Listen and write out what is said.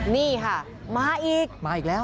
นี่ค่ะมาอีกมาอีกแล้ว